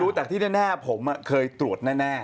ไม่รู้แต่ที่แน่ผมเคยตรวจแน่